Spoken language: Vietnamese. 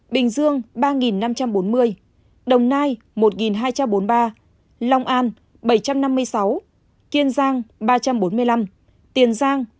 bình dương ba năm trăm bốn mươi đồng nai một hai trăm bốn mươi ba lòng an bảy trăm năm mươi sáu kiên giang ba trăm bốn mươi năm tiền giang một trăm ba mươi ba